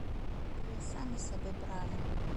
Тыя самі сабе бралі.